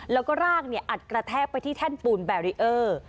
แล้วก็ร่างอัดกระแทกไปที่แท่นปูนแบรีเออร์